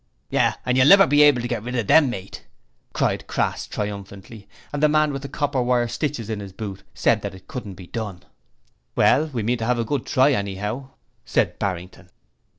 'Yes! and you'll never be able to get rid of 'em, mate,' cried Crass, triumphantly and the man with the copper wire stitches in his boot said that it couldn't be done. 'Well, we mean to have a good try, anyhow,' said Barrington.